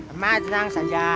emang tenang saja